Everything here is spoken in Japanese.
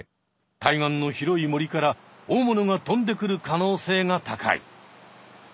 対岸の広い森から大物が飛んでくる可能性が高い。